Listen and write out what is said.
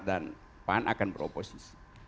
dan pan akan beroposisi